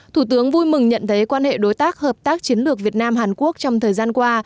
thủ tướng vui mừng nhận thấy quan hệ đối tác hợp tác chiến lược việt nam hàn quốc trong thời gian qua